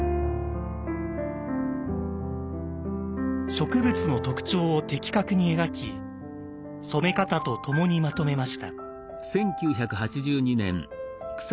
植物の特徴を的確に描き染め方と共にまとめました。